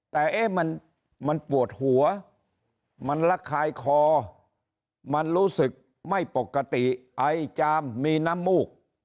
แต่เอ๊ะมันปวดหัวมันระคายคอมันรู้สึกไม่ปกติไอจามมีน้ำมูก